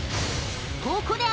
［ここで］